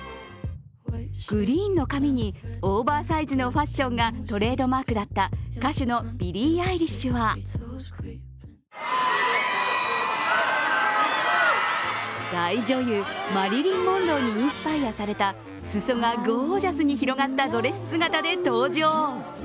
グリーンの髪にオーバーサイズのファッションがトレードマークだった歌手のビリー・アイリッシュは大女優マリリン・モンローにインスパイアされた裾がゴージャスに広がったドレス姿で登場。